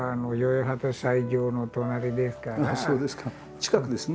近くですね。